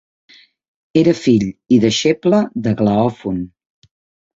Era fill i deixeble d'Aglaòfon.